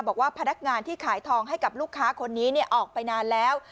บอกว่าพนักงานที่ขายทองให้กับลูกค้าคนนี้ออกไปนานแล้ว